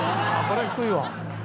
これ低いわ。